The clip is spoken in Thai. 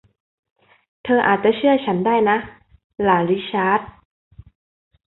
เธออาจจะเชื่อฉันได้นะ หลานริชาร์ด